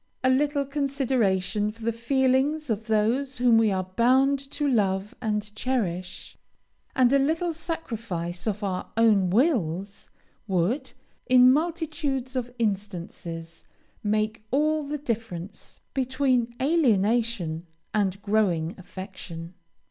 A little consideration for the feelings of those whom we are bound to love and cherish, and a little sacrifice of our own wills, would, in multitudes of instances, make all the difference between alienation and growing affection.